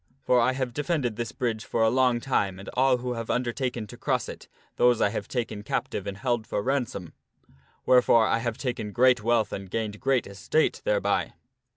For I have defended this bridge for a long time and all who have undertaken to cross it, those have I taken captive and held for ransom. Wherefore I have taken great wealth and gained great estate thereby."